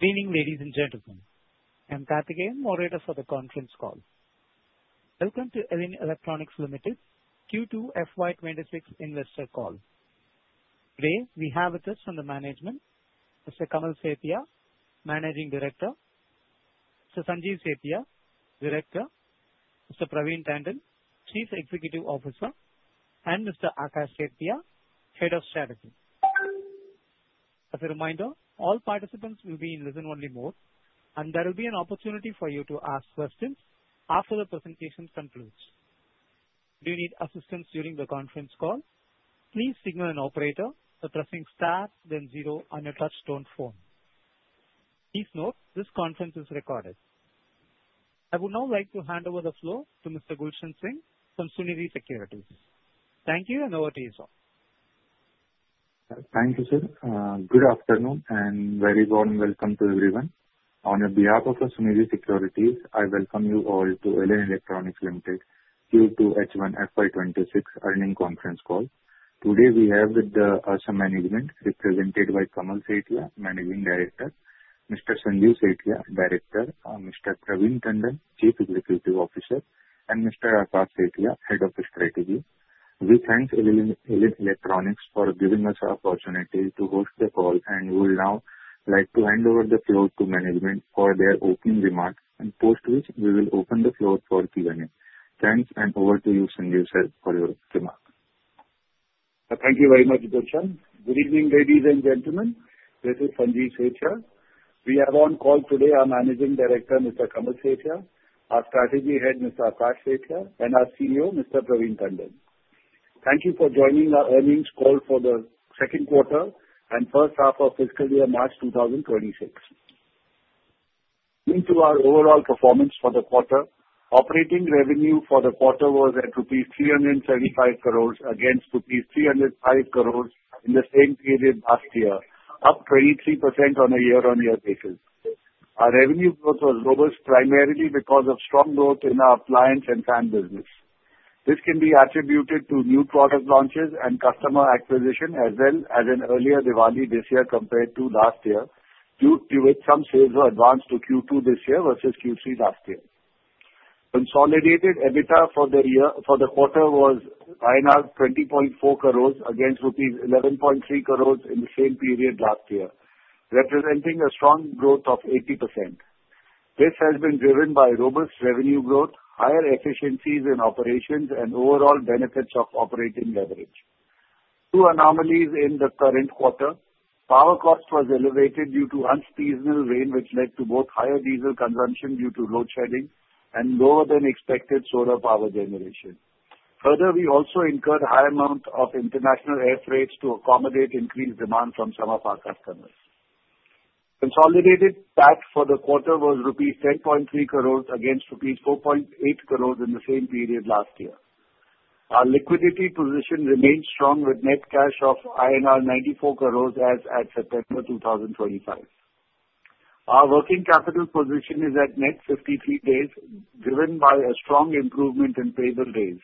Evening, ladies and gentlemen. I'm Karthikeyan, moderator for the conference call. Welcome to Elin Electronics Limited's Q2 FY 2026 investor call. Today, we have with us from the management Mr. Kamal Sethia, Managing Director, Mr. Sanjeev Sethia, Director, Mr. Praveen Tandon, Chief Executive Officer, and Mr. Akash Sethia, Head of Strategy. As a reminder, all participants will be in listen-only mode, and there will be an opportunity for you to ask questions after the presentation concludes. Do you need assistance during the conference call? Please signal an operator by pressing star, then zero, on a touch-tone phone. Please note, this conference is recorded. I would now like to hand over the floor to Mr. Gulshan Singh from Sunidhi Securities. Thank you, and over to you, sir. Thank you, sir. Good afternoon and very warm welcome to everyone. On behalf of Sunidhi Securities, I welcome you all to Elin Electronics Limited Q2 H1 FY 2026 earnings conference call. Today, we have with us some management represented by Kamal Sethia, Managing Director, Mr. Sanjeev Sethia, Director, Mr. Praveen Tandon, Chief Executive Officer, and Mr. Akash Sethia, Head of Strategy. We thank Elin Electronics for giving us the opportunity to host the call, and we would now like to hand over the floor to management for their opening remarks, and post which, we will open the floor for Q&A. Thanks, and over to you, Sanjeev sir, for your remarks. Thank you very much, Gulshan. Good evening, ladies and gentlemen. This is Sanjeev Sethia. We have on call today our Managing Director, Mr. Kamal Sethia, our Strategy Head, Mr. Akash Sethia, and our CEO, Mr. Praveen Tandon. Thank you for joining our earnings call for the second quarter and first half of fiscal year March 2026. Into our overall performance for the quarter, operating revenue for the quarter was at rupees 335 crores against rupees 305 crores in the same period last year, up 23% on a year-on-year basis. Our revenue growth was robust, primarily because of strong growth in our appliance and fan business. This can be attributed to new product launches and customer acquisition, as well as an earlier Diwali this year compared to last year, due to which some sales were advanced to Q2 this year versus Q3 last year. Consolidated EBITDA for the quarter was INR 20.4 crores against rupees 11.3 crores in the same period last year, representing a strong growth of 80%. This has been driven by robust revenue growth, higher efficiencies in operations, and overall benefits of operating leverage. Two anomalies in the current quarter: power cost was elevated due to unseasonal rain, which led to both higher diesel consumption due to load shedding and lower than expected solar power generation. Further, we also incurred a high amount of international air freights to accommodate increased demand from some of our customers. Consolidated PAT for the quarter was rupees 10.3 crores against rupees 4.8 crores in the same period last year. Our liquidity position remained strong, with net cash of INR 94 crores as at September 2025. Our working capital position is at net 53 days, driven by a strong improvement in payable days.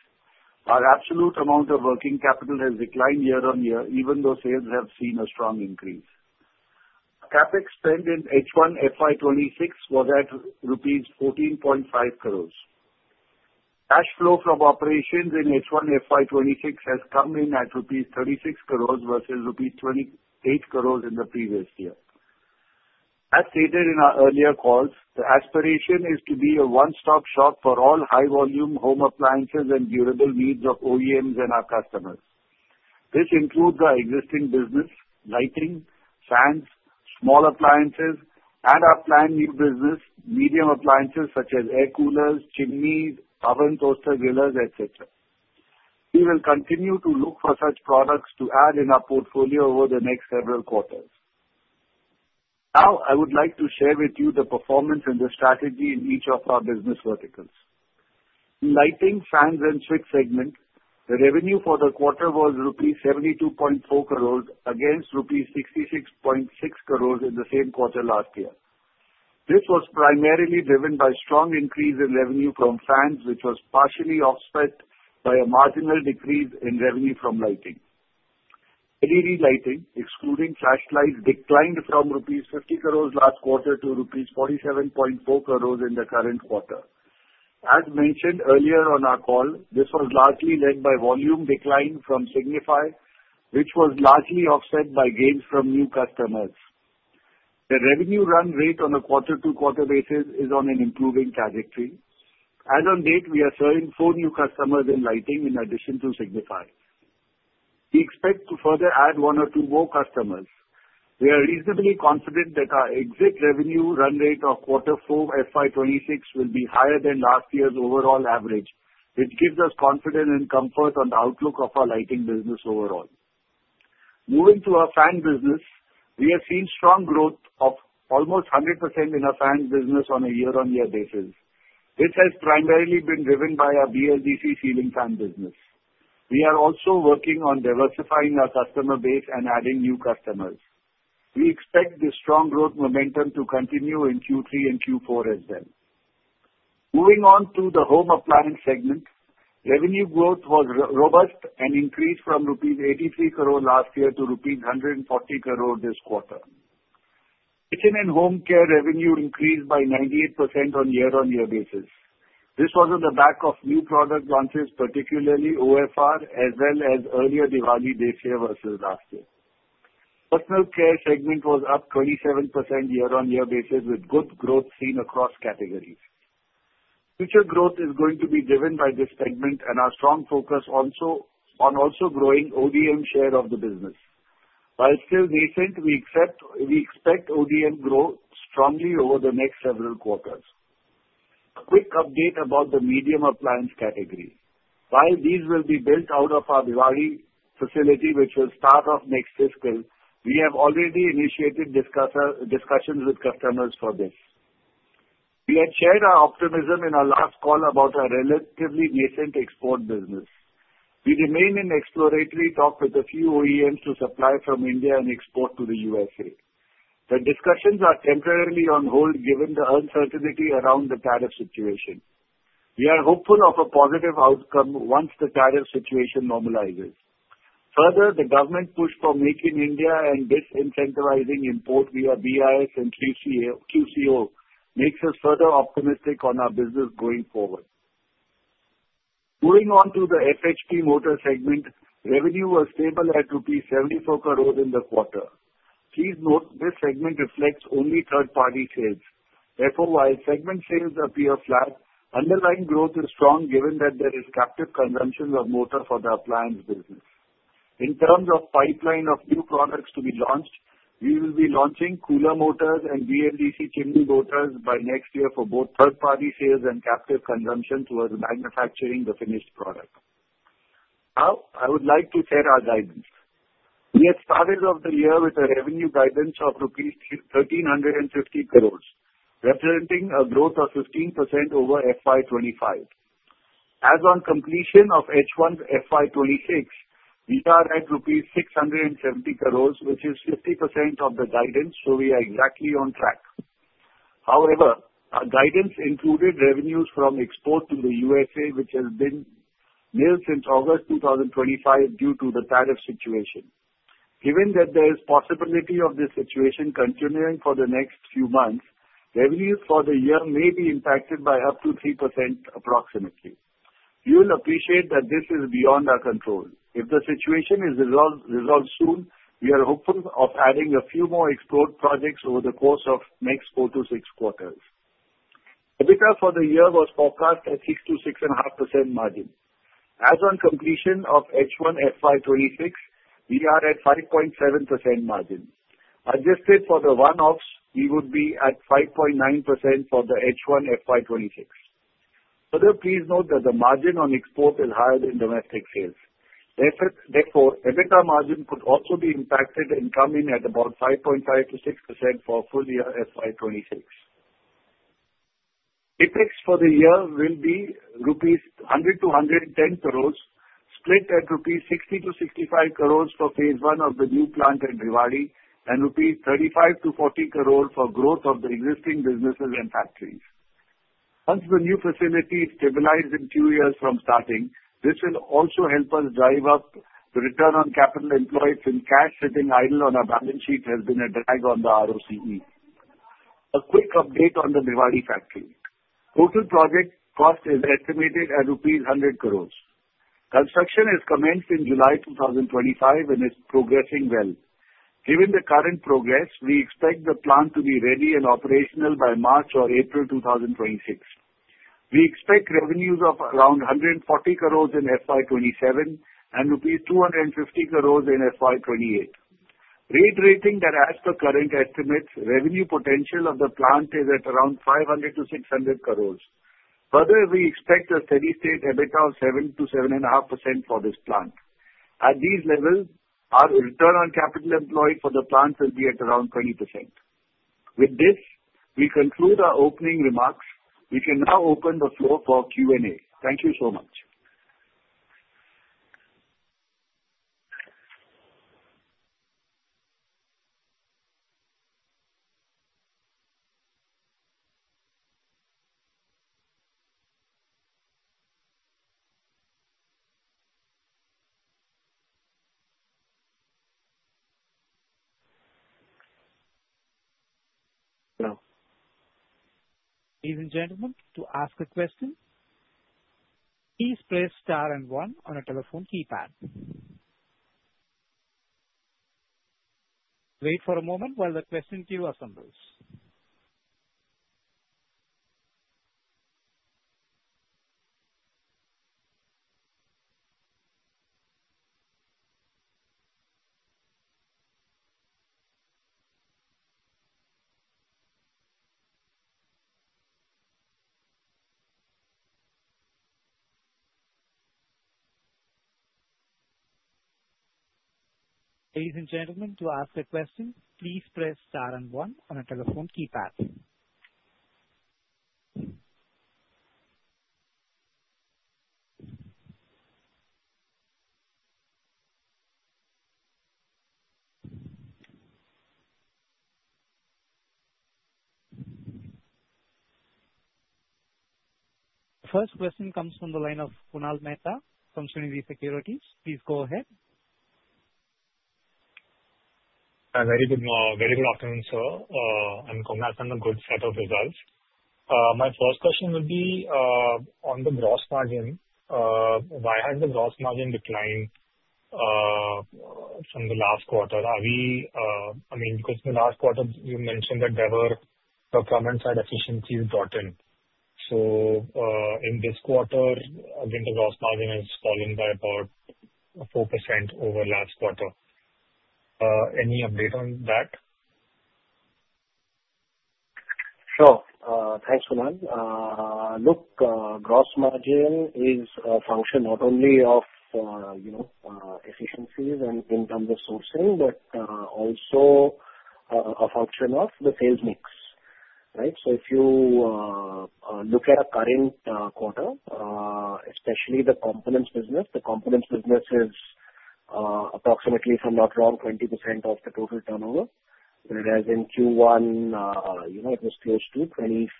Our absolute amount of working capital has declined year-on-year, even though sales have seen a strong increase. CapEx spend in H1 FY 2026 was at rupees 14.5 crores. Cash flow from operations in H1 FY 2026 has come in at rupees 36 crores versus rupees 28 crores in the previous year. As stated in our earlier calls, the aspiration is to be a one-stop shop for all high-volume home appliances and durable needs of OEMs and our customers. This includes our existing business: lighting, fans, small appliances, and our planned new business: medium appliances such as air coolers, chimneys, ovens, toaster grills, etc. We will continue to look for such products to add in our portfolio over the next several quarters. Now, I would like to share with you the performance and the strategy in each of our business verticals. In Lighting, Fans, and Switch segment, the revenue for the quarter was rupees 72.4 crores against rupees 66.6 crores in the same quarter last year. This was primarily driven by a strong increase in revenue from fans, which was partially offset by a marginal decrease in revenue from lighting. LED lighting, excluding flashlights, declined from rupees 50 crores last quarter to rupees 47.4 crores in the current quarter. As mentioned earlier on our call, this was largely led by volume decline from Signify, which was largely offset by gains from new customers. The revenue run rate on a quarter-to-quarter basis is on an improving trajectory. As of date, we are serving four new customers in lighting in addition to Signify. We expect to further add one or two more customers. We are reasonably confident that our exit revenue run rate of Q4 FY 2026 will be higher than last year's overall average, which gives us confidence and comfort on the outlook of our Lighting business overall. Moving to our fan business, we have seen strong growth of almost 100% in our fan business on a year-on-year basis. This has primarily been driven by our BLDC ceiling fan business. We are also working on diversifying our customer base and adding new customers. We expect this strong growth momentum to continue in Q3 and Q4 as well. Moving on to the Home Appliance segment, revenue growth was robust and increased from rupees 83 crores last year to rupees 140 crores this quarter. Kitchen and Home Care revenue increased by 98% on a year-on-year basis. This was on the back of new product launches, particularly OFR, as well as earlier Bhiwadi this year versus last year. Personal care segment was up 27% year-on-year basis, with good growth seen across categories. Future growth is going to be driven by this segment and our strong focus on also growing ODM share of the business. While still nascent, we expect ODM growth strongly over the next several quarters. A quick update about the medium appliance category. While these will be built out of our Bhiwadi facility, which will start off next fiscal, we have already initiated discussions with customers for this. We had shared our optimism in our last call about our relatively nascent export business. We remain in exploratory talk with a few OEMs to supply from India and export to the USA. The discussions are temporarily on hold given the uncertainty around the tariff situation. We are hopeful of a positive outcome once the tariff situation normalizes. Further, the government push for Make in India and disincentivizing import via BIS and QCO makes us further optimistic on our business going forward. Moving on to the FHP Motor segment, revenue was stable at INR 74 crores in the quarter. Please note, this segment reflects only third-party sales. Therefore, while segment sales appear flat, underlying growth is strong given that there is captive consumption of motor for the Appliance business. In terms of pipeline of new products to be launched, we will be launching cooler motors and BLDC chimney motors by next year for both third-party sales and captive consumption towards manufacturing the finished product. Now, I would like to share our guidance. We had started the year with a revenue guidance of rupees 1,350 crores, representing a growth of 15% over FY 2025. As on completion of H1 FY 2026, we are at rupees 670 crores, which is 50% of the guidance, so we are exactly on track. However, our guidance included revenues from export to the USA, which has been nil since August 2025 due to the tariff situation. Given that there is a possibility of this situation continuing for the next few months, revenues for the year may be impacted by up to 3% approximately. We will appreciate that this is beyond our control. If the situation is resolved soon, we are hopeful of adding a few more export projects over the course of the next four to six quarters. EBITDA for the year was forecast at 6%-6.5% margin. As on completion of H1 FY 2026, we are at 5.7% margin. Adjusted for the one-offs, we would be at 5.9% for the H1 FY 2026. Further, please note that the margin on export is higher than domestic sales. Therefore, EBITDA margin could also be impacted and come in at about 5.5%-6% for full year FY 2026. CapEx for the year will be 100-110 crores rupees, split at 60-65 crores rupees for phase one of the new plant at Bhiwadi, and 35-40 crores rupees for growth of the existing businesses and factories. Once the new facility stabilizes in two years from starting, this will also help us drive up the return on capital employed since cash sitting idle on our balance sheet has been a drag on the ROCE. A quick update on the Bhiwadi factory. Total project cost is estimated at rupees 100 crores. Construction has commenced in July 2025 and is progressing well. Given the current progress, we expect the plant to be ready and operational by March or April 2026. We expect revenues of around 140 crores in FY 2027 and rupees 250 crores in FY 2028. Reiterating that as per current estimates, revenue potential of the plant is at around 500-600 crores. Further, we expect a steady-state EBITDA of 7%-7.5% for this plant. At these levels, our return on capital employed for the plant will be at around 20%. With this, we conclude our opening remarks. We can now open the floor for Q&A. Thank you so much. Hello. Ladies and gentlemen, to ask a question, please press star and one on a telephone keypad. Wait for a moment while the question queue assembles. Ladies and gentlemen, to ask a question, please press star and one on a telephone keypad. The first question comes from the line of Kunal Mehta from Sunidhi Securities. Please go ahead. Very good afternoon, sir. I'm coming back from a good set of results. My first question would be, on the gross margin, why has the gross margin declined from the last quarter? I mean, because in the last quarter, you mentioned that there were productivity efficiencies brought in. So in this quarter, again, the gross margin has fallen by about 4% over last quarter. Any update on that? Sure. Thanks, Kunal. Look, gross margin is a function not only of efficiencies and input resourcing, but also a function of the sales mix. Right? So if you look at a current quarter, especially the components business, the components business is approximately, if I'm not wrong, 20% of the total turnover. Whereas in Q1, it was close to 24%,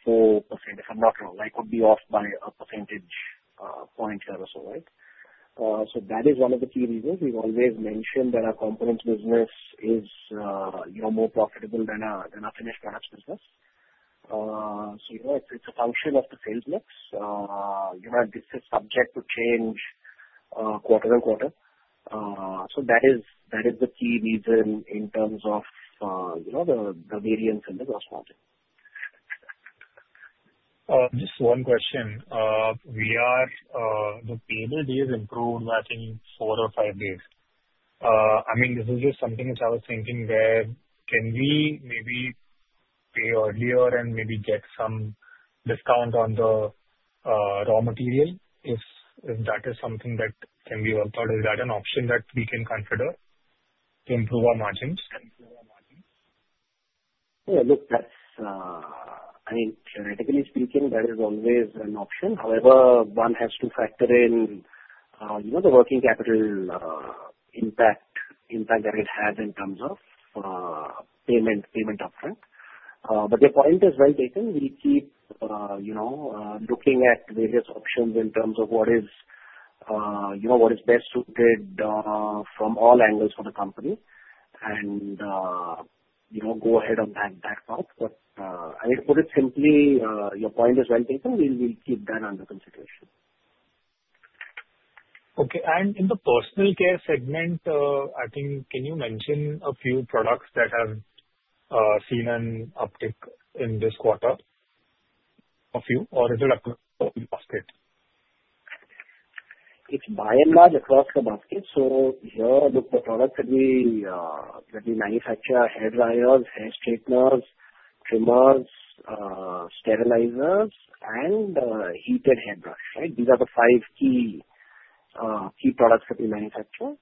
if I'm not wrong. That would be off by a percentage point or so, right? So that is one of the key reasons we've always mentioned that our components business is more profitable than our finished products business. So it's a function of the sales mix. This is subject to change quarter-on-quarter. So that is the key reason in terms of the variance in the gross margin. Just one question. The payable days improved within four or five days. I mean, this is just something which I was thinking where, can we maybe pay earlier and maybe get some discount on the raw material if that is something that can be worked out? Is that an option that we can consider to improve our margins? Yeah. Look, I mean, theoretically speaking, that is always an option. However, one has to factor in the working capital impact that it has in terms of payment upfront, but the point is, well, we keep looking at various options in terms of what is best suited from all angles for the company and go ahead on that path, but I mean, to put it simply, your point is well taken. We will keep that under consideration. Okay, and in the Personal Care segment, I think, can you mention a few products that have seen an uptick in this quarter? A few, or is it across the basket? It's by and large across the basket. So here, look, the products that we manufacture are hair dryers, hair straighteners, trimmers, sterilizers, and heated hair brush. Right? These are the five key products that we manufacture.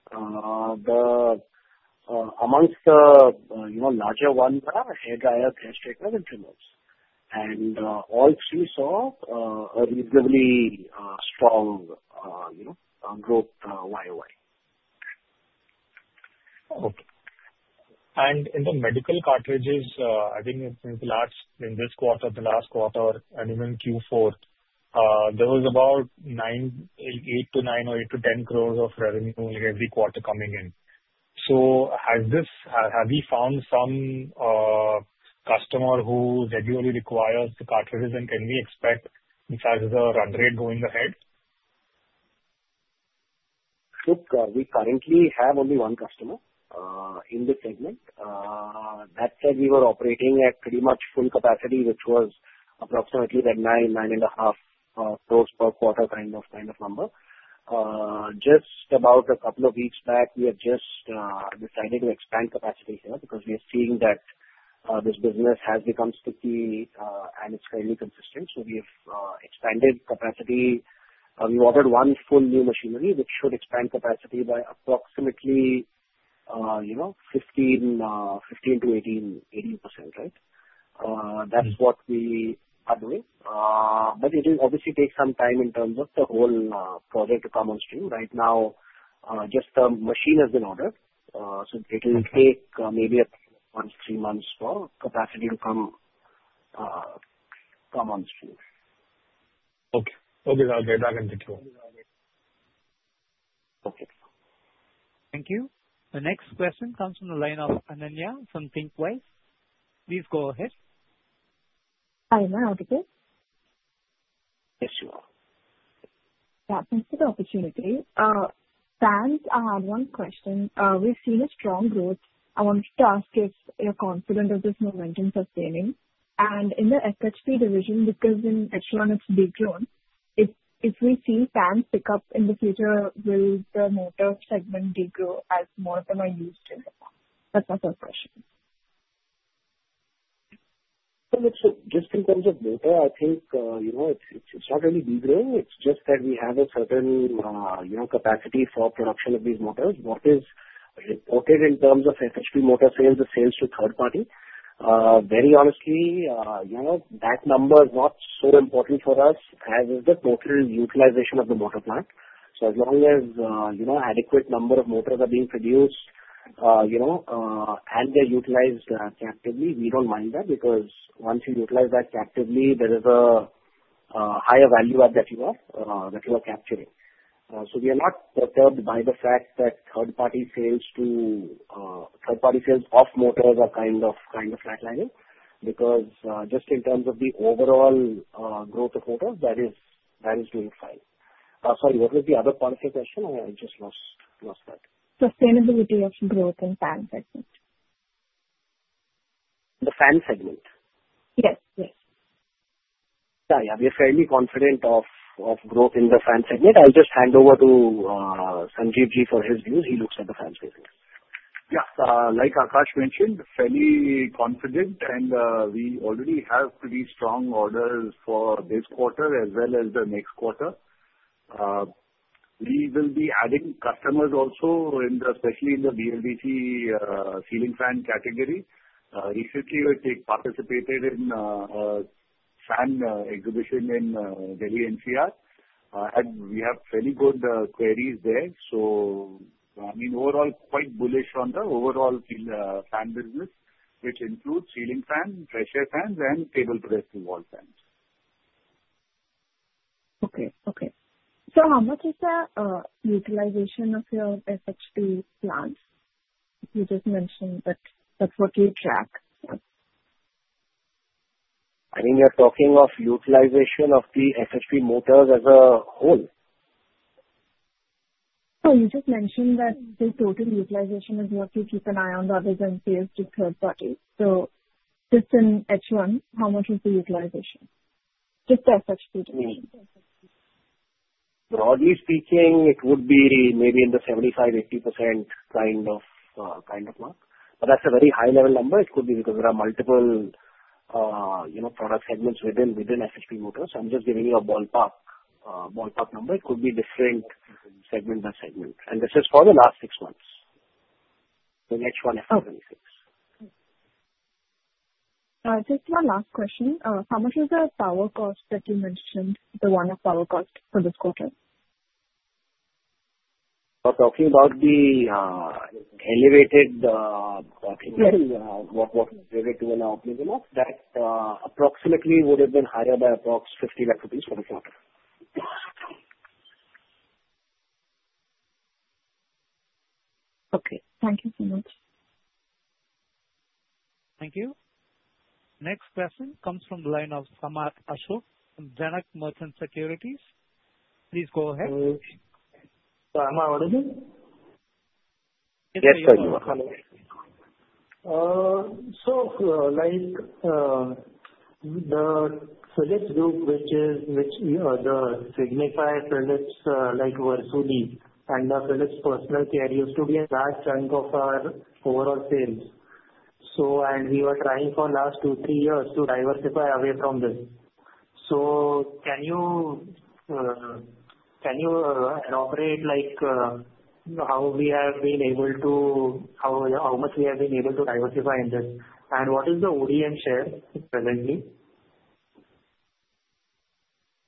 Amongst the larger ones are hair dryers, hair straighteners, and trimmers. And all three saw a reasonably strong growth YoY. Okay. And in the medical cartridges, I think in this quarter, the last quarter, and even Q4, there was about 8-9 or 8-10 crores of revenue every quarter coming in. So have we found some customer who regularly requires the cartridges, and can we expect this as a run rate going ahead? Look, we currently have only one customer in the segment. That said, we were operating at pretty much full capacity, which was approximately 9-9.5 crores per quarter kind of number. Just about a couple of weeks back, we have just decided to expand capacity here because we are seeing that this business has become sticky and it's fairly consistent. So we have expanded capacity. We ordered one full new machinery, which should expand capacity by approximately 15%-18%. Right? That's what we are doing. But it will obviously take some time in terms of the whole project to come on stream. Right now, just the machine has been ordered. So it will take maybe one to three months for capacity to come on stream. Okay. Okay. I'll get back into queue. Okay. Thank you. The next question comes from the line of Ananya from Thinqwise. Please go ahead. Hi. May I interject? Yes, you are. Yeah. Thanks for the opportunity. Thanks. I had one question. We've seen a strong growth. I wanted to ask if you're confident of this momentum sustaining. And in the FHP division, because in H1, it's degrown, if we see fans pick up in the future, will the motor segment degrow as more of them are used in the plant? That's my first question. Just in terms of motor, I think it's not really degrowing. It's just that we have a certain capacity for production of these motors. What is reported in terms of FHP motor sales, the sales to third party, very honestly, that number is not so important for us as is the total utilization of the motor plant. So as long as an adequate number of motors are being produced and they're utilized captively, we don't mind that because once you utilize that captively, there is a higher value add that you are capturing. So we are not perturbed by the fact that third-party sales to third-party sales of motors are kind of flatlining because just in terms of the overall growth of motors, that is doing fine. Sorry, what was the other part of your question? I just lost that. Sustainability of growth in fan segment. The fan segment? Yes. Yes. Yeah. Yeah. We are fairly confident of growth in the fan segment. I'll just hand over to Sanjeevji for his views. He looks at the fan segment. Yeah. Like Akash mentioned, fairly confident, and we already have pretty strong orders for this quarter as well as the next quarter. We will be adding customers also, especially in the BLDC ceiling fan category. Recently, we participated in a fan exhibition in Delhi NCR. We have fairly good queries there. So I mean, overall, quite bullish on the overall fan business, which includes ceiling fans, exhaust fans, and table, pedestal, and wall fans. Okay, so how much is the utilization of your FHP plants? You just mentioned that's what you track. I mean, you're talking of utilization of the FHP motors as a whole? Oh, you just mentioned that the total utilization is what you keep an eye on rather than sales to third party. So just in H1, how much is the utilization? Just the FHP division. Broadly speaking, it would be maybe in the 75%-80% kind of mark. But that's a very high-level number. It could be because there are multiple product segments within FHP motors. I'm just giving you a ballpark number. It could be different segment by segment. And this is for the last six months, the H1 FY 2026. Just one last question. How much is the power cost that you mentioned, the one-off power cost for this quarter? We're talking about the elevated optimum. Yes. What we've given you an optimum of that approximately would have been higher by approximately 50 lakhs rupees for the quarter. Okay. Thank you so much. Thank you. Next question comes from the line of Samarth Ashok from Janak Merchant Securities. Please go ahead. Samar, what is it? Yes, sir. You are. The Philips group, which is the Signify, Philips versus the Versuni, Philips personal, continues to be a large chunk of our overall sales. We were trying for the last two, three years to diversify away from this. Can you elaborate how we have been able to, how much we have been able to diversify in this? What is the ODM share presently?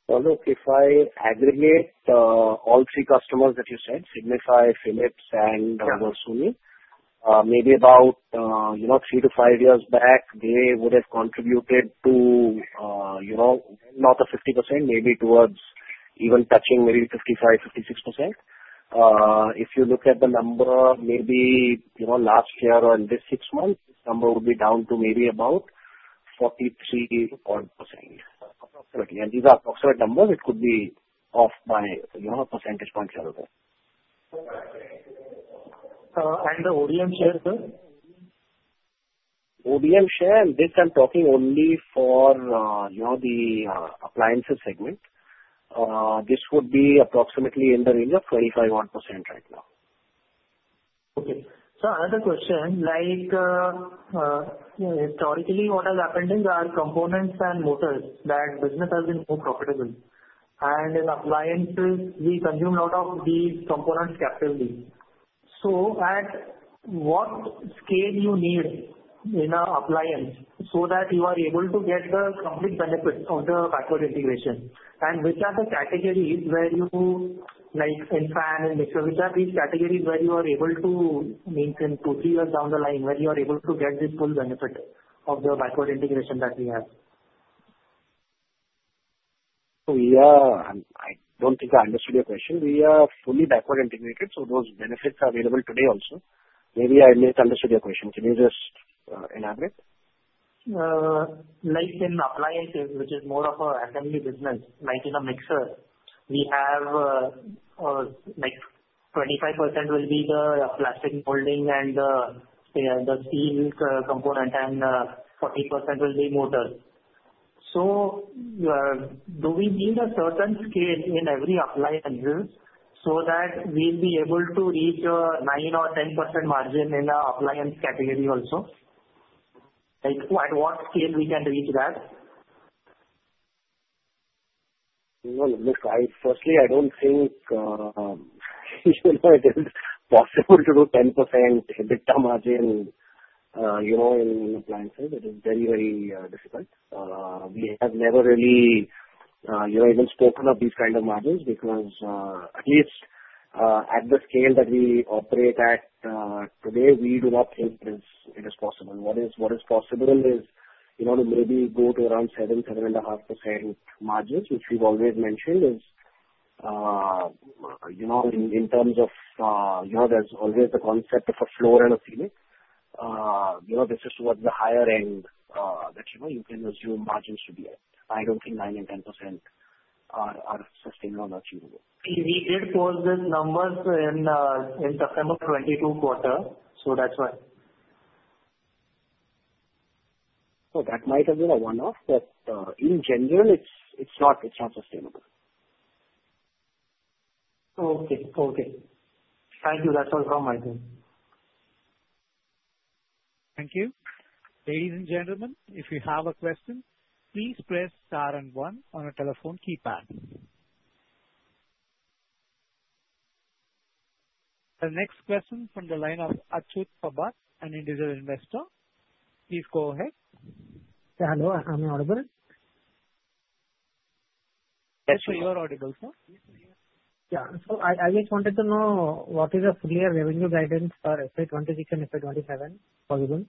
Look, if I aggregate all three customers that you said, Signify, Philips, and Versuni, maybe about three to five years back, they would have contributed to not the 50%, maybe towards even touching maybe 55%-56%. If you look at the number, maybe last year or in these six months, this number would be down to maybe about 43%-40%, approximately. These are approximate numbers. It could be off by a percentage point or so. The ODM share, sir? ODM share, this I'm talking only for the appliances segment. This would be approximately in the range of 25.1% right now. Okay. So another question. Historically, what has happened is our components and motors that business has been more profitable. And in appliances, we consume a lot of these components captively. So at what scale do you need in an appliance so that you are able to get the complete benefit of the backward integration? And which are the categories where you're in fans and mixers? Which are these categories where you are able to, I mean, in two, three years down the line, where you are able to get the full benefit of the backward integration that we have? Oh, yeah. I don't think I understood your question. We are fully backward integrated, so those benefits are available today also. Maybe I misunderstood your question. Can you just elaborate? In appliances, which is more of an assembly business, like in a mixer, we have 25% will be the plastic molding and the steel component, and 40% will be motors. So do we need a certain scale in every appliance so that we'll be able to reach a 9% or 10% margin in our appliance category also? At what scale we can reach that? Look, firstly, I don't think it is possible to do 10% EBITDA margin in appliances. It is very, very difficult. We have never really even spoken of these kind of margins because, at least at the scale that we operate at today, we do not think it is possible. What is possible is to maybe go to around 7%-7.5% margins, which we've always mentioned is in terms of there's always the concept of a floor and a ceiling. This is towards the higher end that you can assume margins should be at. I don't think 9%-10% are sustainable or achievable. We did post these numbers in the Q2 FY 2022 quarter, so that's why. So that might have been a one-off, but in general, it's not sustainable. Okay. Okay. Thank you. That's all from my side. Thank you. Ladies and gentlemen, if you have a question, please press star and 1 on a telephone keypad. The next question from the line of Achuth Pabat, an individual investor. Please go ahead. Hello. Am I audible? Yes, you're audible, sir. Yeah. So I just wanted to know what is the full year revenue guidance for FY 2026 and FY 2027 for you? For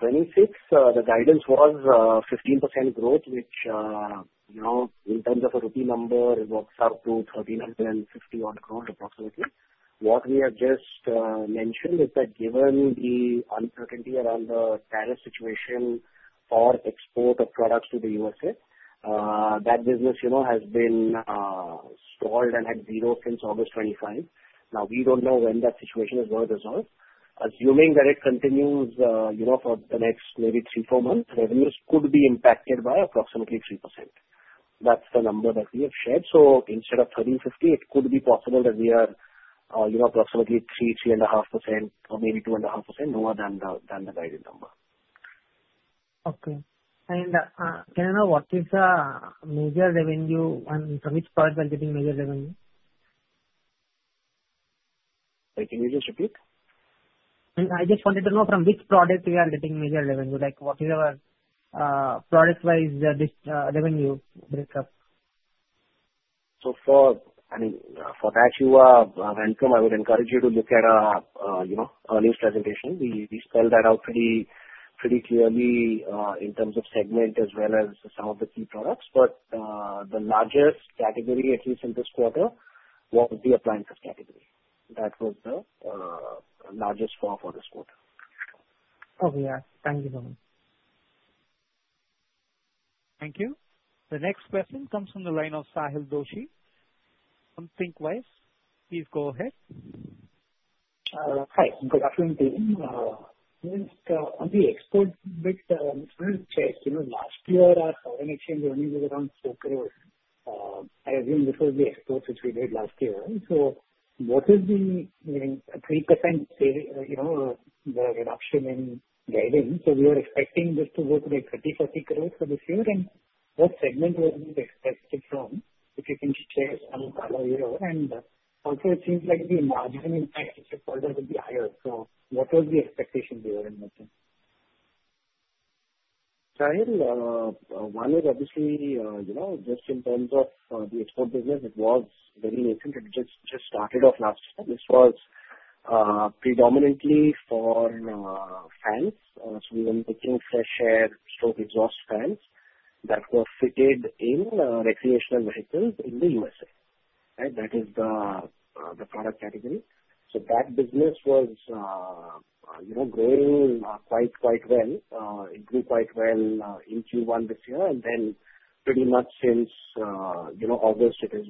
2026, the guidance was 15% growth, which in terms of a revenue number, it works out to 1,350-odd crores approximately. What we have just mentioned is that given the uncertainty around the tariff situation for export of products to the USA, that business has been stalled and has been zero since August 25. Now, we don't know when that situation is going to resolve. Assuming that it continues for the next maybe three, four months, revenues could be impacted by approximately 3%. That's the number that we have shared. So instead of 1,350, it could be possible that we are approximately 3%, 3.5%, or maybe 2.5% lower than the guided number. Okay, and can I know what is the major revenue and from which products are getting major revenue? Can you just repeat? I just wanted to know from which product we are getting major revenue, what is our product-wise revenue breakup? So for that, you are welcome. I would encourage you to look at our earnings presentation. We spelled that out pretty clearly in terms of segment as well as some of the key products. But the largest category, at least in this quarter, was the appliances category. That was the largest fall for this quarter. Okay. Yes. Thank you so much. Thank you. The next question comes from the line of Sahil Doshi from Thinqwise. Please go ahead. Hi. Good afternoon, team. On the export bit, I'm just going to check. Last year, our foreign exchange revenue was around 4 crores. I assume this was the exports which we did last year. So what is the 3% reduction in guidance? So we were expecting this to go to like 30-40 crores for this year. And what segment was this expected from? If you can share some color here. And also, it seems like the margin impact of the quarter will be higher. So what was the expectation we were investing? Sahil, obviously, just in terms of the export business, it was very recent. It just started off last year. This was predominantly for fans. So we were making fresh air or exhaust fans that were fitted in recreational vehicles in the USA. That is the product category. So that business was growing quite well. It grew quite well in Q1 this year. And then pretty much since August, it has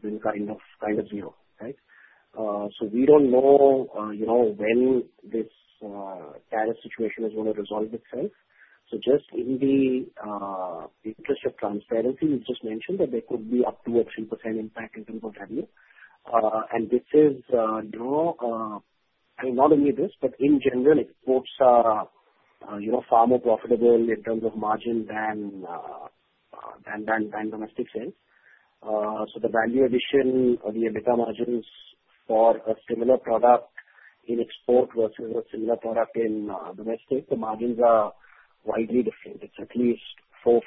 been kind of zero, right? So we don't know when this tariff situation is going to resolve itself. So just in the interest of transparency, we just mentioned that there could be up to a 3% impact in terms of revenue. And this is, I mean, not only this, but in general, exports are far more profitable in terms of margin than domestic sales. The value addition or the EBITDA margins for a similar product in export versus a similar product in domestic, the margins are widely different. It's at least 4%-6%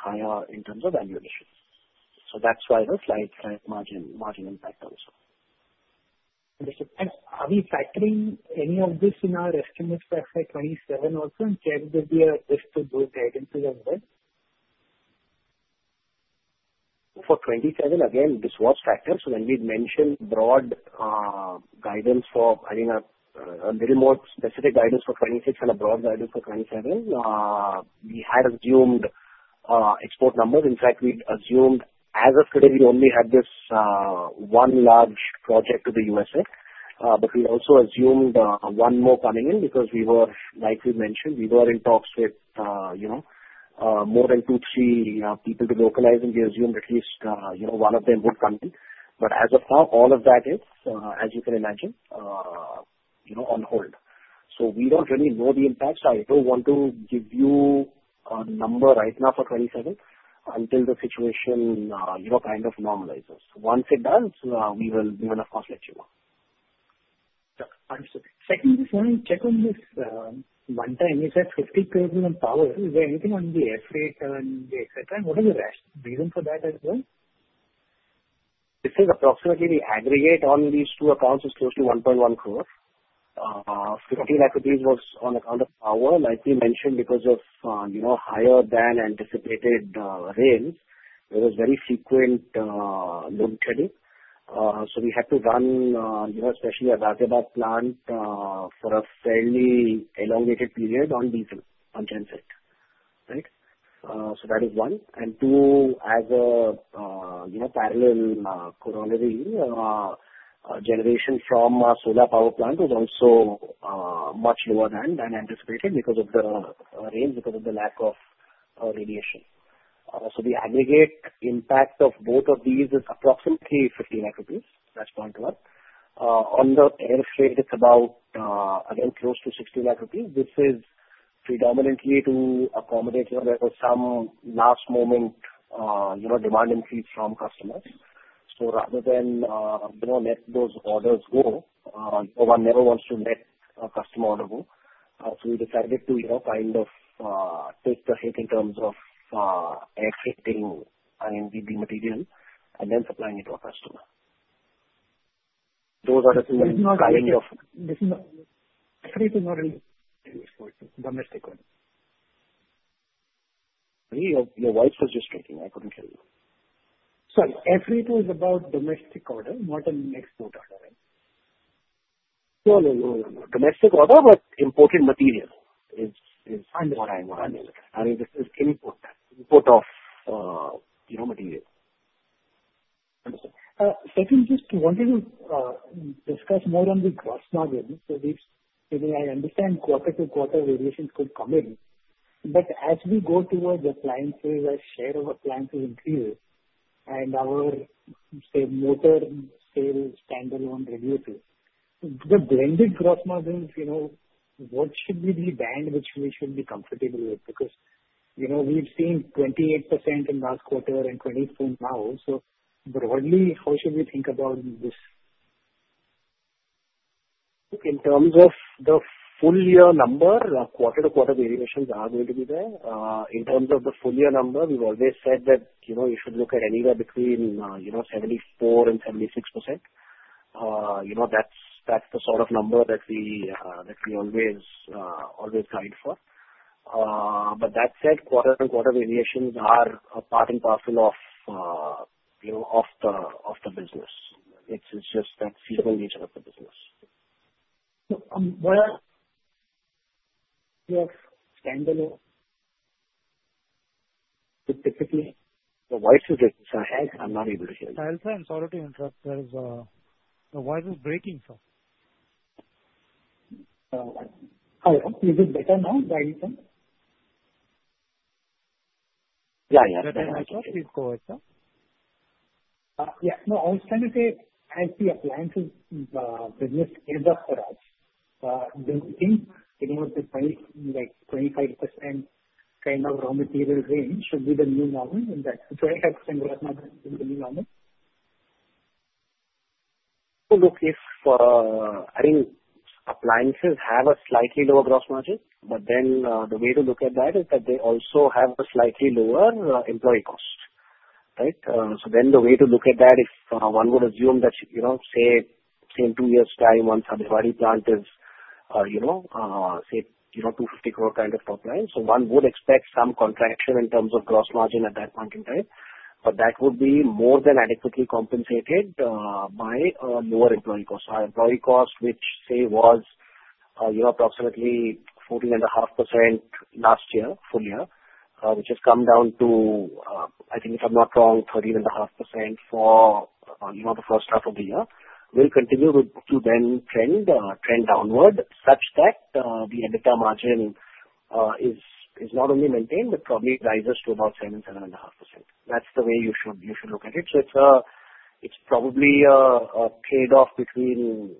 higher in terms of value addition. That's why the slight margin impact also. Are we factoring any of this in our estimates for FY 2027 also? Can we be able to do guidance as well? For 2027, again, this was factored. So when we mentioned broad guidance for, I mean, a little more specific guidance for 2026 and a broad guidance for 2027, we had assumed export numbers. In fact, we assumed as of today, we only had this one large project to the USA. But we also assumed one more coming in because we were, like we mentioned, we were in talks with more than two, three people to localize. And we assumed at least one of them would come in. But as of now, all of that is, as you can imagine, on hold. So we don't really know the impacts. I don't want to give you a number right now for 27 until the situation kind of normalizes. Once it does, we will, of course, let you know. Yeah. Understood. Second, just want to check on this one time. You said 50 crore on power. Is there anything on the FY 2027, etc.? And what is the reason for that as well? This is approximately the aggregate on these two accounts is close to 1.1 crores. 50 lakh was on the power, like we mentioned, because of higher than anticipated rains. There was very frequent load shedding. So we had to run, especially at the Ghaziabad plant, for a fairly elongated period on diesel, on genset, right? So that is one. And two, as a parallel corollary, generation from a solar power plant was also much lower than anticipated because of the rain, because of the lack of radiation. So the aggregate impact of both of these is approximately 50 lakhs rupees. That's point one. On the air freight, it's about, again, close to 60 lakhs rupees. This is predominantly to accommodate some last-moment demand increase from customers. So rather than let those orders go, no one ever wants to let a customer order go. So we decided to kind of take the hit in terms of air freighting, I mean, the material, and then supplying it to a customer. Those are the two main kind of. This is not air freight, is not really domestic order. Your wife was just talking. I couldn't hear you. Air freight is about domestic order, not an export order, right? No, no, no, no, no. Domestic order, but imported material is what I'm referring to. I mean, this is import, import of material. Understood. Second, just wanted to discuss more on the gross margin. So I understand quarter-to-quarter variations could come in. But as we go towards appliances, our share of appliances increases, and our, say, motor sales, standalone radiators, the blended gross margins, what should be the band which we should be comfortable with? Because we've seen 28% in last quarter and 24% now. So broadly, how should we think about this? In terms of the full year number, quarter-to-quarter variations are going to be there. In terms of the full year number, we've always said that you should look at anywhere between 74% and 76%. That's the sort of number that we always guide for. But that said, quarter-to-quarter variations are a part and parcel of the business. It's just that seasonal nature of the business. Where your stand alone? Typically, the voice is breaking, "Sahil, I'm not able to hear you. Sahil, sorry to interrupt. The voice is breaking through. Is it better now? The audio thing? Yeah, yeah. Better? I thought we'd go ahead. Yeah. No, I was trying to say as the appliances business is up for us, do you think 25% kind of gross margin range should be the new normal? Is that 25% gross margin the new normal? Well, look, if, I mean, appliances have a slightly lower gross margin, but then the way to look at that is that they also have a slightly lower employee cost, right? So then the way to look at that, if one would assume that, say, in two years' time, one subdivide plant is, say, 250 crore kind of top line, so one would expect some contraction in terms of gross margin at that point in time. But that would be more than adequately compensated by lower employee cost. Our employee cost, which, say, was approximately 14.5% last year, full year, which has come down to, I think, if I'm not wrong, 13.5% for the first half of the year, will continue to then trend downward such that the EBITDA margin is not only maintained, but probably rises to about 7%-7.5%. That's the way you should look at it. So it's probably a trade-off between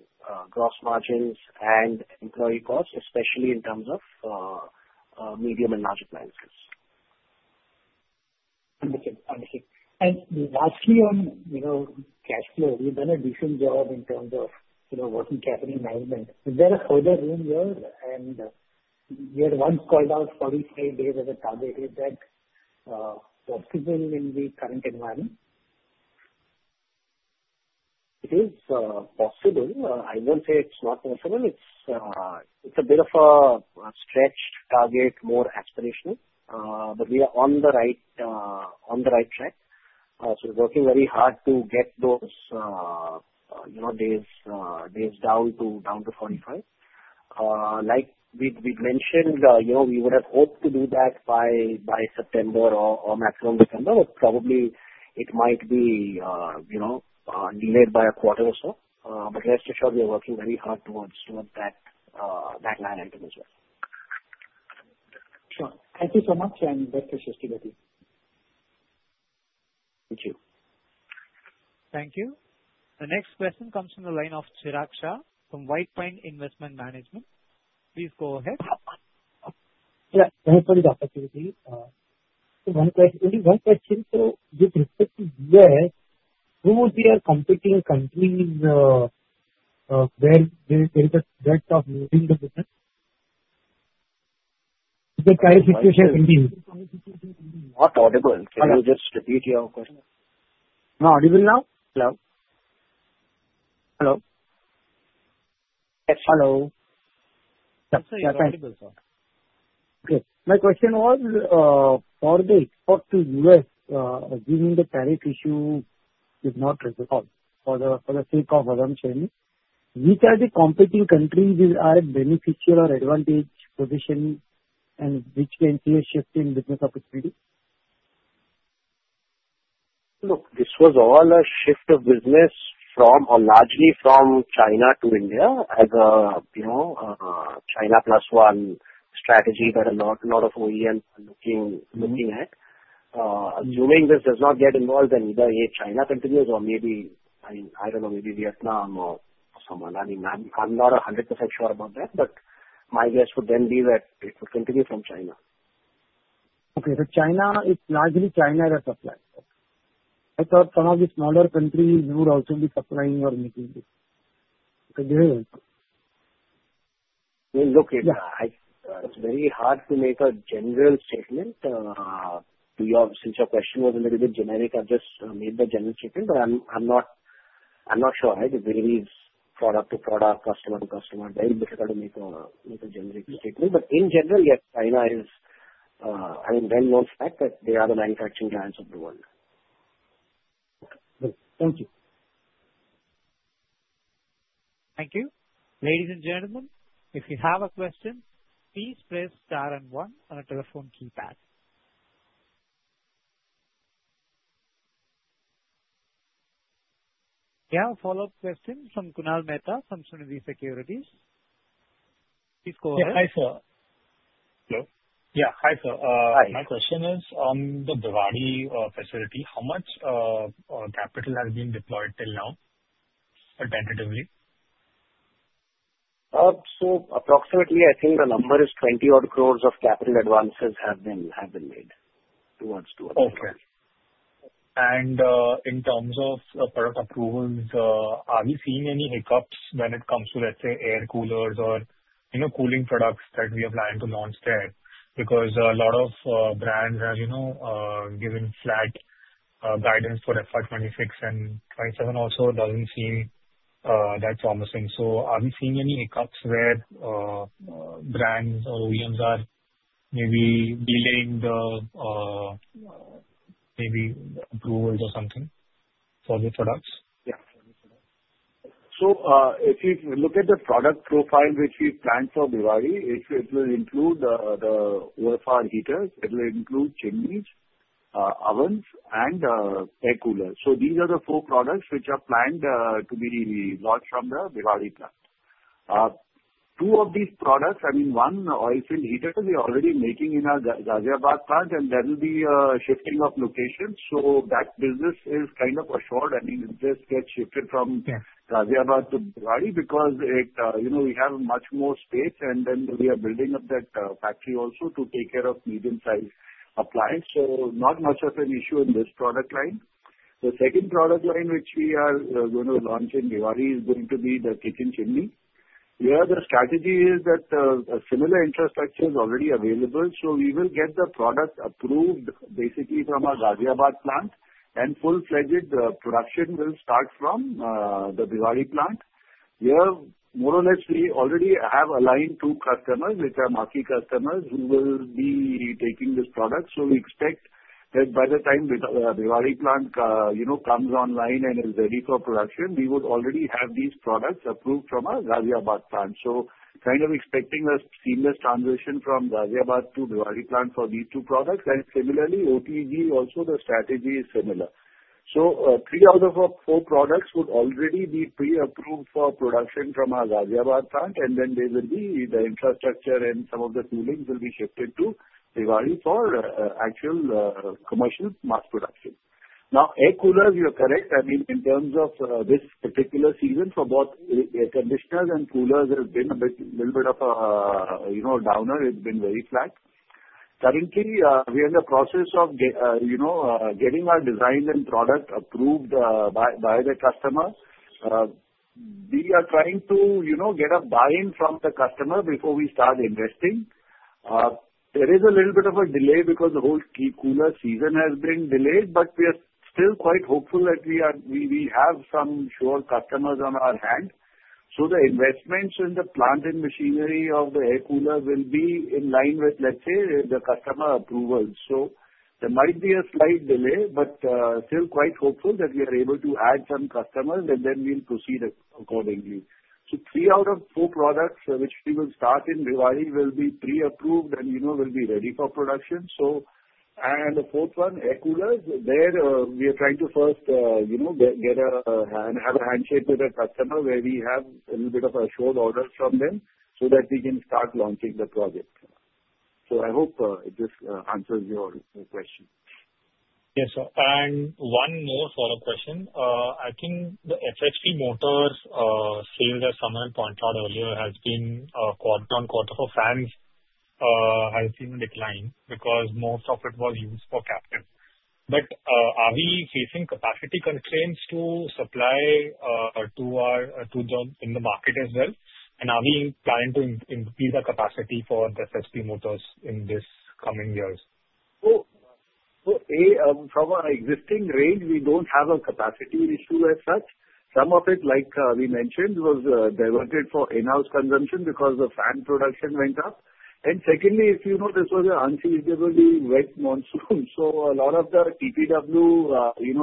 gross margins and employee cost, especially in terms of medium and large appliances. Understood. Understood. And lastly, on cash flow, you've done a decent job in terms of working capital management. Is there a further room here? And you had once called out 45 days as a target. Is that possible in the current environment? It is possible. I won't say it's not possible. It's a bit of a stretched target, more aspirational, but we are on the right track, so we're working very hard to get those days down to 45. Like we mentioned, we would have hoped to do that by September or maximum December, but probably it might be delayed by a quarter or so, but rest assured, we are working very hard towards that line item as well. Sure. Thank you so much, and best wishes, the team. Thank you. Thank you. The next question comes from the line of Chirag Shah from Whitepine Investment Managers. Please go ahead. Yeah. Thanks for the opportunity. One question. So with respect to U.S., who would be our competing country where there is a threat of losing the business? The current situation continues. Can you just repeat your question? Not audible now? Hello. Hello? Yes. Hello. Sorry. My question was, for the export to U.S., assuming the tariff issue is not resolved, for the sake of assumption, which are the competing countries that are in beneficial or advantage position, and which can see a shift in business opportunity? Look, this was all a shift of business largely from China to India as a China Plus One strategy that a lot of OEMs are looking at. Assuming this does not get involved, then either China continues or maybe, I don't know, maybe Vietnam or someone. I mean, I'm not 100% sure about that, but my guess would then be that it would continue from China. Okay. So China, it's largely China that's supplying. I thought some of the smaller countries would also be supplying or making this. Look, it's very hard to make a general statement since your question was a little bit generic. I've just made the general statement, but I'm not sure, right? It varies product to product, customer to customer. It's very difficult to make a generic statement. But in general, yes, China is, I mean, well-known fact that they are the manufacturing giants of the world. Thank you. Thank you. Ladies and gentlemen, if you have a question, please press star and one on the telephone keypad. We have a follow-up question from Kunal Mehta from Sunidhi Securities. Please go ahead. Yes, hi sir. Hello? Yeah, hi sir. My question is on the Bhiwadi facility, how much capital has been deployed till now, tentatively? So approximately, I think the number is 20-odd crores of capital advances have been made to Bhiwadi. And in terms of product approvals, are we seeing any hiccups when it comes to, let's say, air coolers or cooling products that we are planning to launch there? Because a lot of brands are giving flat guidance for FY 2026, and FY 2027 also doesn't seem that promising. So are we seeing any hiccups where brands or OEMs are maybe delaying the approvals or something for the products? Yeah. So if you look at the product profile which we planned for Bhiwadi, it will include the OFR heaters. It will include chimneys, ovens, and air coolers. So these are the four products which are planned to be launched from the Bhiwadi plant. Two of these products, I mean, one oil filled heater, we are already making in our Ghaziabad plant, and there will be a shifting of location. So that business is kind of assured. I mean, it just gets shifted from Ghaziabad to Bhiwadi because we have much more space, and then we are building up that factory also to take care of medium-sized appliance. So not much of an issue in this product line. The second product line which we are going to launch in Bhiwadi is going to be the kitchen chimney. Where the strategy is that similar infrastructure is already available. So we will get the product approved, basically, from our Ghaziabad plant, and full-fledged production will start from the Bhiwadi plant. We more or less already have aligned two customers, which are marquee customers who will be taking this product. So we expect that by the time the Bhiwadi plant comes online and is ready for production, we would already have these products approved from our Ghaziabad plant. So kind of expecting a seamless transition from Ghaziabad to Bhiwadi plant for these two products. And similarly, OTG, also the strategy is similar. So three out of four products would already be pre-approved for production from our Ghaziabad plant, and then there will be the infrastructure and some of the coolings will be shifted to Bhiwadi for actual commercial mass production. Now, air coolers, you're correct. I mean, in terms of this particular season, for both air conditioners and coolers, there's been a little bit of a downer. It's been very flat. Currently, we are in the process of getting our design and product approved by the customer. We are trying to get a buy-in from the customer before we start investing. There is a little bit of a delay because the whole cooler season has been delayed, but we are still quite hopeful that we have some sure customers on hand. So the investments in the plant and machinery of the air cooler will be in line with, let's say, the customer approval. So there might be a slight delay, but still quite hopeful that we are able to add some customers, and then we'll proceed accordingly. So three out of four products which we will start in Bhiwadi will be pre-approved and will be ready for production. And the fourth one, air coolers, there we are trying to first get a handshake with a customer where we have a little bit of a short order from them so that we can start launching the project. So I hope it just answers your question. Yes, sir, and one more follow-up question. I think the FHP Motor sales that someone pointed out earlier has been quarter-on-quarter for fans has seen a decline because most of it was used for captive. But are we facing capacity constraints to supply to them in the market as well? And are we planning to increase the capacity for the FHP motors in these coming years? From our existing range, we don't have a capacity issue as such. Some of it, like we mentioned, was diverted for in-house consumption because the fan production went up. And secondly, as you know, this was an unseasonably wet monsoon. So a lot of the TPW,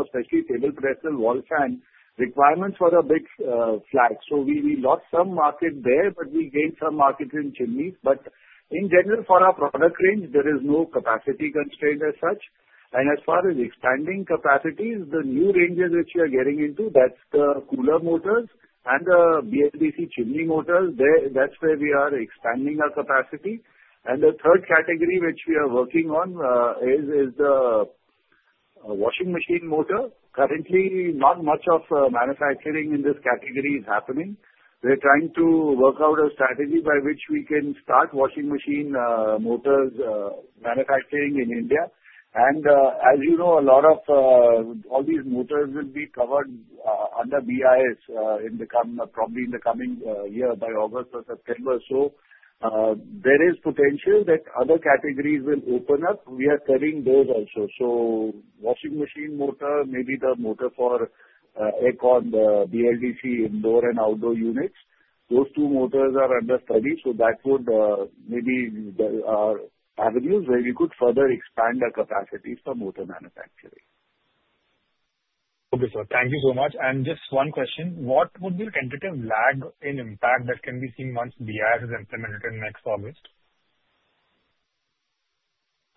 especially table, pedestal, and wall fan, requirements a bit flagged. So we lost some market there, but we gained some market in chimneys. But in general, for our product range, there is no capacity constraint as such. And as far as expanding capacities, the new ranges which we are getting into, that's the cooler motors and the BLDC chimney motors. That's where we are expanding our capacity. And the third category which we are working on is the washing machine motor. Currently, not much of manufacturing in this category is happening. We're trying to work out a strategy by which we can start washing machine motors manufacturing in India. And as you know, a lot of all these motors will be covered under BIS probably in the coming year by August or September. So there is potential that other categories will open up. We are studying those also. So washing machine motor, maybe the motor for aircon, the BLDC indoor and outdoor units, those two motors are under study. So that would maybe be avenues where we could further expand our capacities for motor manufacturing. Okay, sir. Thank you so much. And just one question. What would be the tentative lag in impact that can be seen once BIS is implemented in next August?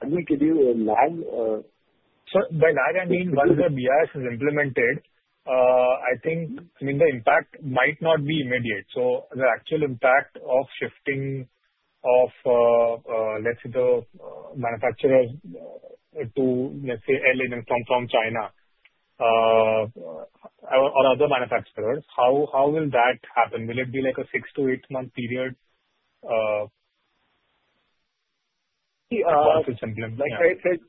Can you give us a lag? So by lag, I mean once the BIS is implemented, I think, I mean, the impact might not be immediate. So the actual impact of shifting of, let's say, the manufacturers to, let's say, LNN from China or other manufacturers, how will that happen? Will it be like a six-to-eight-month period? Like I said,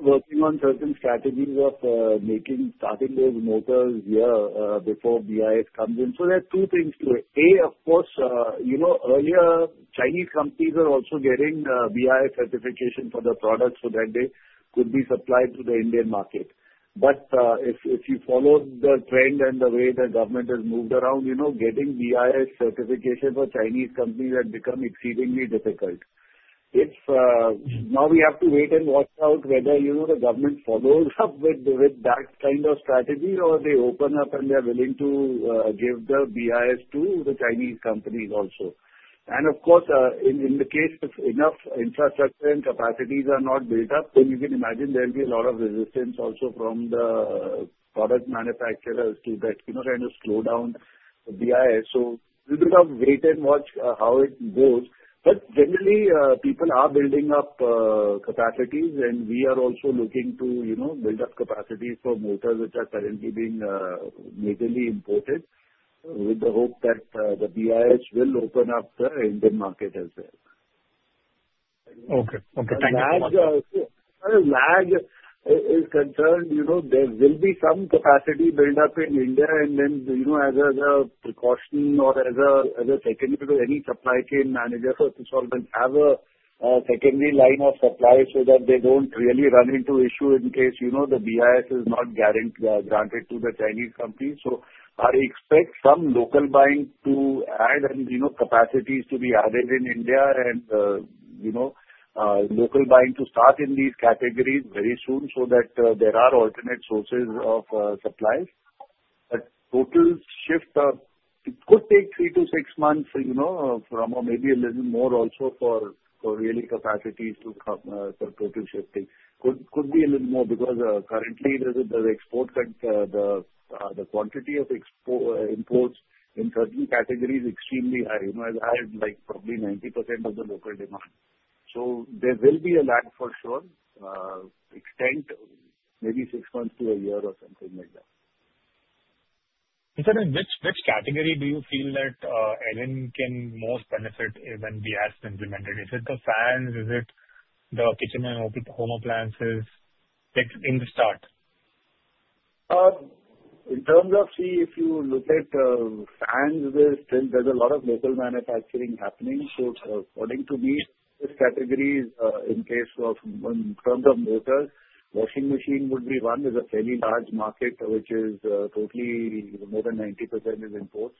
working on certain strategies of starting those motors here before BIS comes in. So there are two things to it. A, of course, earlier, Chinese companies are also getting BIS certification for the products so that they could be supplied to the Indian market. But if you follow the trend and the way the government has moved around, getting BIS certification for Chinese companies has become exceedingly difficult. Now we have to wait and watch out whether the government follows up with that kind of strategy or they open up and they're willing to give the BIS to the Chinese companies also. And of course, in the case if enough infrastructure and capacities are not built up, then you can imagine there'll be a lot of resistance also from the product manufacturers to kind of slow down the BIS. So a little bit of wait and watch how it goes. But generally, people are building up capacities, and we are also looking to build up capacity for motors which are currently being majorly imported with the hope that the BIS will open up the Indian market as well. Okay. Okay. Thank you. As far as lag is concerned, there will be some capacity buildup in India, and then as a precaution or as a secondary to any supply chain manager for consultants, have a secondary line of supply so that they don't really run into issue in case the BIS is not granted to the Chinese companies. So I expect some local buying to add and capacities to be added in India and local buying to start in these categories very soon so that there are alternate sources of supplies. But total shift, it could take three-to-six months from or maybe a little more also for really capacities to come for total shifting. Could be a little more because currently, the quantity of imports in certain categories is extremely high, as high as like probably 90% of the local demand. So there will be a lag for sure. Extent, maybe six months to a year or something like that. In fact, which category do you feel that Elin can most benefit when BIS is implemented? Is it the fans? Is it the kitchen and home appliances in the start? In terms of, see, if you look at fans, there's a lot of local manufacturing happening. So according to me, this category, in case of in terms of motors, washing machine would be one with a fairly large market, which is totally more than 90% imports.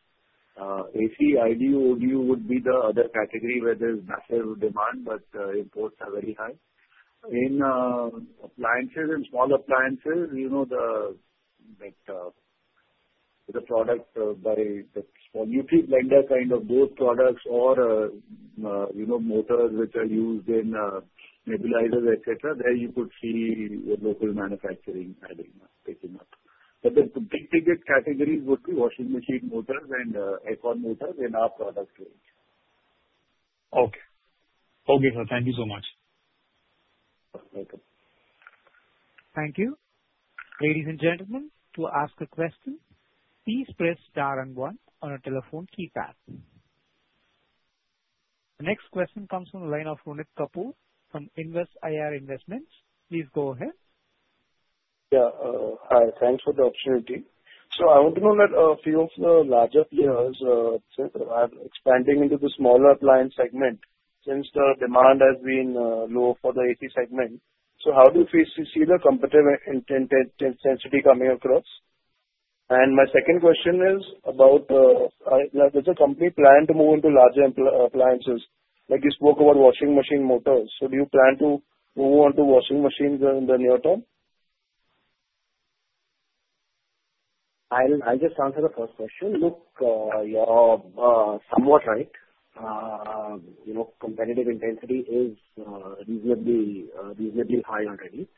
AC, IDU, ODU would be the other category where there's massive demand, but imports are very high. In appliances and small appliances, the product by the small utility blender kind of those products or motors which are used in nebulizers, etc., there you could see the local manufacturing taking up. But the big-ticket categories would be washing machine motors and aircon motors in our product range. Okay. Okay, sir. Thank you so much. You're welcome. Thank you. Ladies and gentlemen, to ask a question, please press star and one on a telephone keypad. The next question comes from the line of Runit Kapoor from Invest IR Investments. Please go ahead. Yeah. Hi. Thanks for the opportunity. So I want to know that a few of the larger players are expanding into the smaller appliance segment since the demand has been low for the AC segment. So how do you see the competitive intensity coming across? And my second question is about, does the company plan to move into larger appliances? Like you spoke about washing machine motors. So do you plan to move on to washing machines in the near term? I'll just answer the first question. Look, you're somewhat right. Competitive intensity is reasonably high already.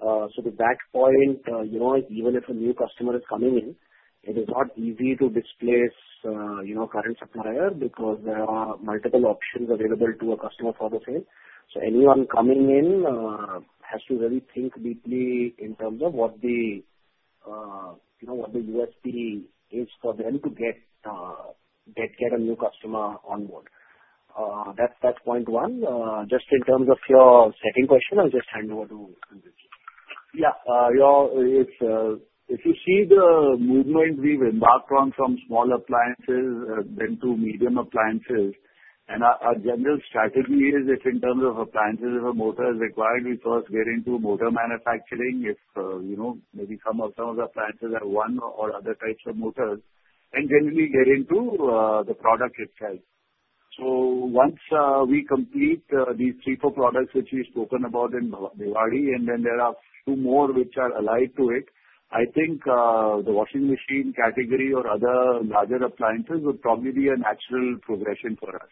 So to that point, even if a new customer is coming in, it is not easy to displace current supplier because there are multiple options available to a customer for the same. So anyone coming in has to really think deeply in terms of what the USP is for them to get a new customer on board. That's point one. Just in terms of your second question, I'll just hand over to Runeet. Yeah. If you see the movement we've embarked on from smaller appliances then to medium appliances. And our general strategy is if in terms of appliances if a motor is required, we first get into motor manufacturing if maybe some of the appliances have one or other types of motors, and generally get into the product itself. So once we complete these three or four products which we've spoken about in Bhiwadi, and then there are a few more which are aligned to it, I think the washing machine category or other larger appliances would probably be a natural progression for us.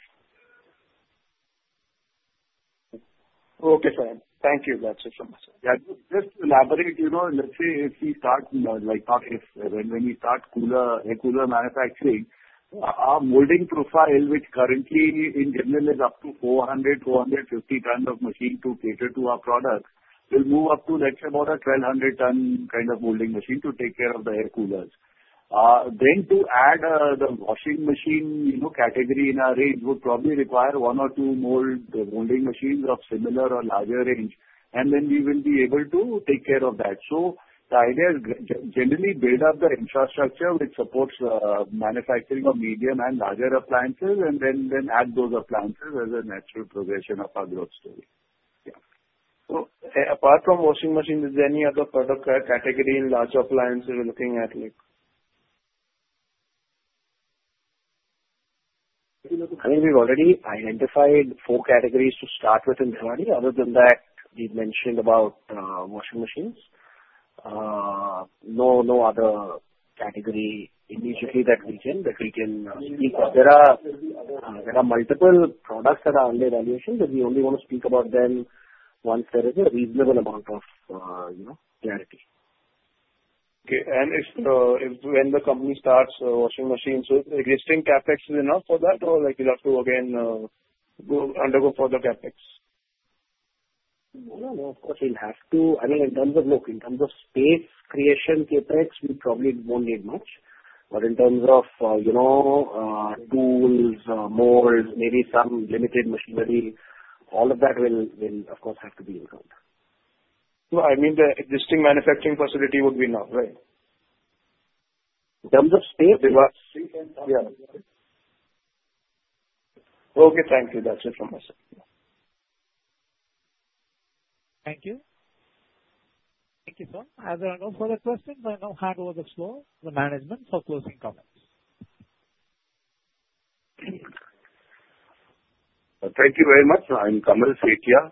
Okay, sir. Thank you. That's it from me. Just elaborate, let's say if we start, not if, when we start cooler manufacturing, our molding profile, which currently in general is up to 400, 450 tons of machine to cater to our products, will move up to, let's say, more than 1,200-ton kind of molding machine to take care of the air coolers. Then to add the washing machine category in our range would probably require one or two molding machines of similar or larger range, and then we will be able to take care of that. So the idea is generally build up the infrastructure which supports manufacturing of medium and larger appliances, and then add those appliances as a natural progression of our growth story. Yeah. So apart from washing machines, is there any other product category in large appliances we're looking at? I think we've already identified four categories to start with in Bhiwadi. Other than that, we've mentioned about washing machines. No other category immediately that we can speak of. There are multiple products that are under evaluation, but we only want to speak about them once there is a reasonable amount of clarity. Okay. And when the company starts washing machines, is existing CapEx enough for that, or will you have to again undergo further CapEx? No, no, of course we'll have to. I mean, in terms of, look, in terms of space creation, CapEx, we probably won't need much. But in terms of tools, molds, maybe some limited machinery, all of that will, of course, have to be incurred. So I mean the existing manufacturing facility would be enough, right? In terms of state, yeah. Okay. Thank you. That's it from myself. Thank you. Thank you, sir. Are there any further questions? I now hand over the floor to the management for closing comments. Thank you very much. I'm Kamal Sethia.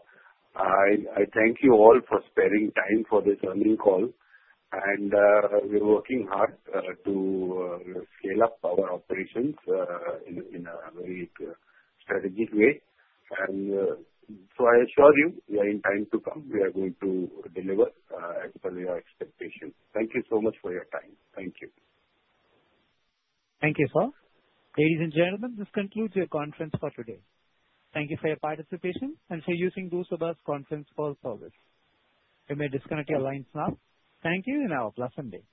I thank you all for sparing time for this earnings call, and we're working hard to scale up our operations in a very strategic way, and so I assure you, we are in time to come. We are going to deliver as per your expectation. Thank you so much for your time. Thank you. Thank you, sir. Ladies and gentlemen, this concludes your conference for today. Thank you for your participation and for using Door Sabha's conference call service. You may disconnect your lines now. Thank you, and have a pleasant day.